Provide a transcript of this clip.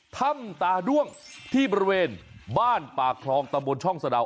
ถ้ำตาด้วงที่บริเวณบ้านปากคลองตำบลช่องสะดาว